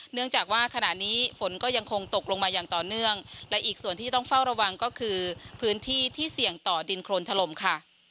เนื่องจากว่าขณะนี้ฝนก็ยังคงตกลงมาอย่างต่อเนื่องและอีกส่วนที่ต้องเฝ้าระวังก็คือพื้นที่ที่เสี่ยงต่อดินโครนถล่มค่ะ